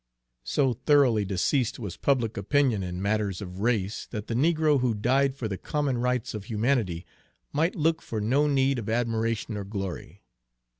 So thoroughly diseased was public opinion in matters of race that the negro who died for the common rights of humanity might look for no meed of admiration or glory.